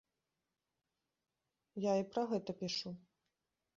Я і пра гэта пішу.